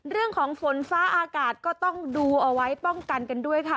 เรื่องของฝนฟ้าอากาศก็ต้องดูเอาไว้ป้องกันกันด้วยค่ะ